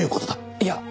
いや。